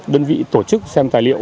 đơn vị tổ chức xem tài liệu